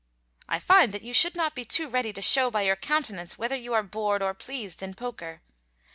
I find that you should not be too ready to show by your countenance whether you are bored or pleased in poker.